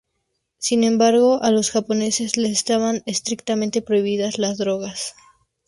Sin embargo, a los japoneses les estaban estrictamente prohibidas las drogas.